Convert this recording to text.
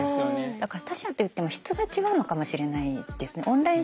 だから他者って言っても質が違うのかもしれないですね。